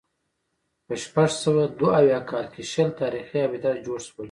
په شپږ سوه دوه اویا کال کې شل تاریخي آبدات جوړ شول